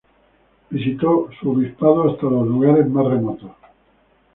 Visitó su obispado hasta los lugares más remotos.